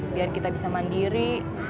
biar kita bisa mandiri